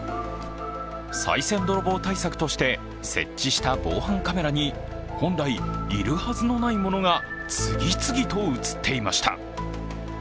さい銭泥棒対策として設置した防犯カメラに本来いるはずのないものが、次々と映っていました。